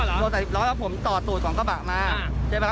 หลังจาก๑๐ร้อยผมตอดตูดของกระบะมา